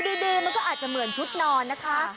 ดีมันก็อาจจะเหมือนชุดนอนนะคะ